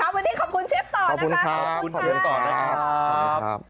ขอบคุณที่ขอบคุณเชฟต่อนะคะ